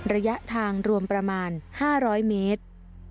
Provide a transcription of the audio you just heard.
ระยะทางรวมประมาณ๕๐๐เมตร